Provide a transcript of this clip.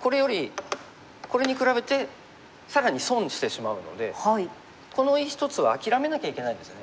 これよりこれに比べてさらに損してしまうのでこの１つは諦めなきゃいけないんですよね。